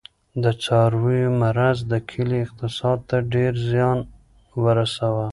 د څارویو مرض د کلي اقتصاد ته ډېر زیان ورساوه.